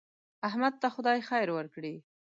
احمد ته خدای خیر ورکړي.